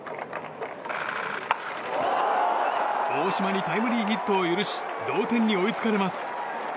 大島にタイムリーヒットを許し同点に追いつかれます。